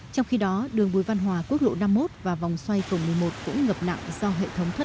trong khi đó đường bùi trọng nghĩa